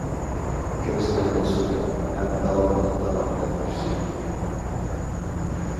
كۆز تەگمىسۇن ھەم داۋاملىق داۋام ئەتكۈسى!